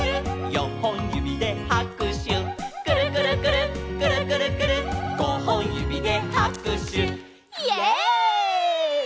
「よんほんゆびではくしゅ」「くるくるくるっくるくるくるっ」「ごほんゆびではくしゅ」イエイ！